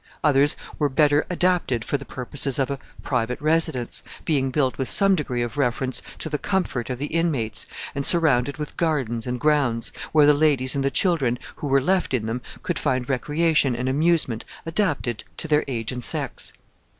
Others were better adapted for the purposes of a private residence, being built with some degree of reference to the comfort of the inmates, and surrounded with gardens and grounds, where the ladies and the children who were left in them could find recreation and amusement adapted to their age and sex.